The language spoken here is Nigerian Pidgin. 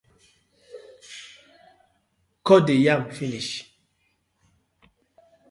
Kot de yam finish.